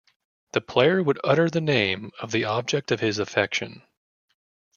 The player would utter the name of the object of his affection.